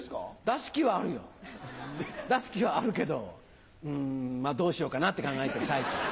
出す気はあるよ出す気はあるけどんまぁどうしようかなって考えてる最中。